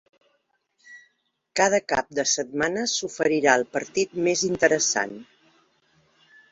Cada cap de setmana s'oferirà el partit més interessant